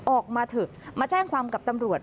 ออกมาเถอะมาแจ้งความกับตำรวจ